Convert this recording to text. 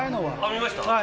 見ました？